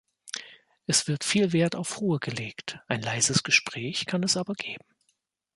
Es wird viel Wert auf Ruhe gelegt, ein leises Gespräch kann es aber geben.